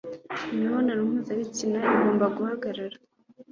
imibonano mpuzabitsina igomba guhagarara